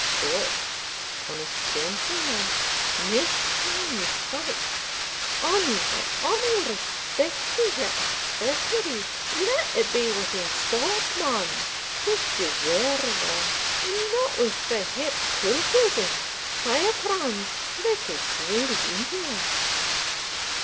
But, honest gentleman, neist time ye fight, an ye hae ony respect for your athversary, let it be wi' your sword, man, since ye wear ane, and no wi' thae het culters and fireprands, like a wild Indian."